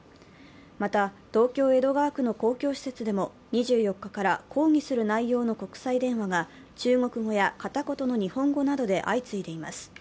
また、東京・江戸川区の公共施設でも２４日から、抗議する内容の国際電話が中国語や片言の日本語などで相次いでいます。